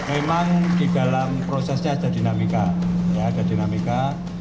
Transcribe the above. memang di dalam prosesnya ada dinamika ya ada dinamika